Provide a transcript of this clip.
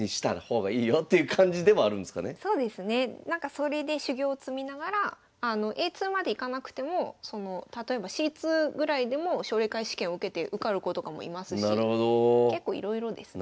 それで修業を積みながらＡ２までいかなくても例えばＣ２ぐらいでも奨励会試験を受けて受かる子とかもいますし結構いろいろですね。